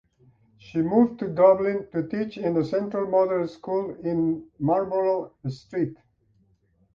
She moved to Dublin to teach in the Central Model School in Marlborough Street.